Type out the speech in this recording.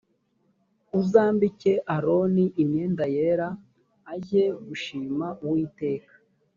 uzambike aroni imyenda yera ajye gushima uwiteka